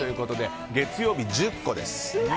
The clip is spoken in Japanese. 月曜日１０個です。